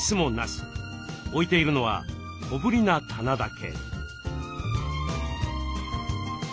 置いているのは小ぶりな棚だけ。